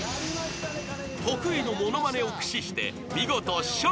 ［得意の物まねを駆使して見事笑